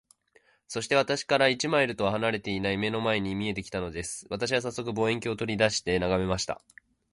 そして、私から一マイルとは離れていない眼の前に見えて来たのです。私はさっそく、望遠鏡を取り出して眺めました。